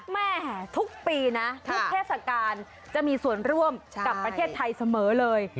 แม่ทุกปีนะทุกเทศกาลจะมีส่วนร่วมกับประเทศไทยเสมอเลย